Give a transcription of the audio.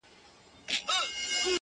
o بيا دادی پخلا سوه ،چي ستا سومه.